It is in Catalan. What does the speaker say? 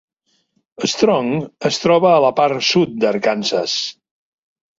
Strong es troba a la part sud d"Arkansas.